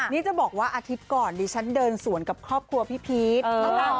นี่จะบอกว่าอาทิตย์ก่อนดิฉันเดินสวนกับครอบครัวพี่พีช